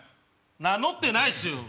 名乗ってないすよ。